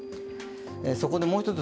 そこでもう一つ